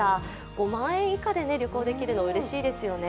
５万円以下で旅行できるのはうれしいですよね。